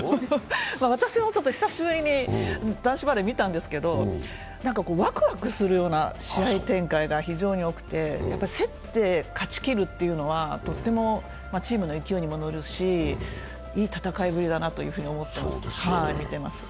私も久しぶりに男子バレーを見たんですけどなんか、ワクワクするような試合展開が非常に多くて競って勝ちきるというのはチームの勢いも乗るしいい戦いぶりだなと思って見てます。